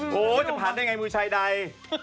โหจะผ่านได้ไงมือชายใด